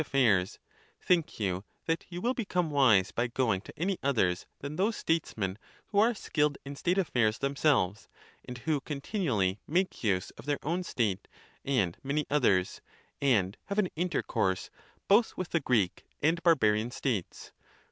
affairs, think you that you will become wise by going to any others than those statesmen, who are skilled in state affairs themselves, and who continually make use of their own state and many others, and have an intercourse both with the Greek and Barbarian states?